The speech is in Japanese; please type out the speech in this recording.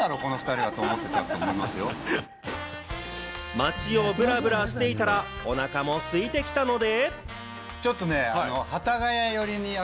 街をぶらぶらしていたら、おなかもすいてきたので。